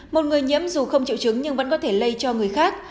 một người nhiễm dù không triệu chứng nhưng vẫn có thể lây cho người khác